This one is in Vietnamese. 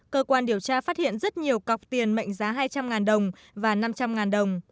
cơ quan điều tra phát hiện rất nhiều cọc tiền mệnh giá hai trăm linh đồng và năm trăm linh đồng